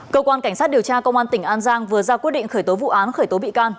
cơ quan cảnh sát điều tra công an tỉnh an giang vừa ra quyết định khởi tố vụ án khởi tố bị can